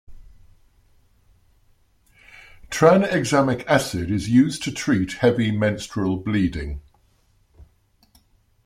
Tranexamic acid is used to treat heavy menstrual bleeding.